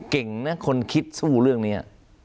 เก่งนะคนคิดสู้เรื่องนี้